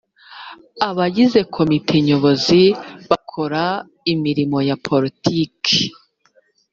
abagize komite nyobozi bakora imirimo ya politiki